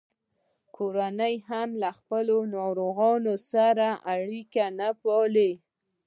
کورنیو به هم له خپلو ناروغانو سره اړیکه نه پاللـه.